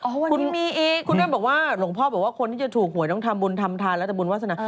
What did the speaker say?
หลวงพ่อบอกว่าคนที่จะถูกหวยต้องทำบุญทำทานแล้วแต่บุญวาสนา